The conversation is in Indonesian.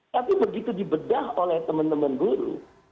tapi begitu dibedah oleh teman teman guru